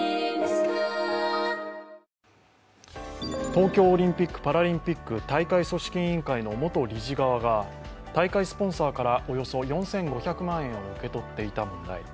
東京オリンピック・パラリンピック大会組織委員会の元理事側が大会スポンサーからおよそ４５００万円を受け取っていた問題。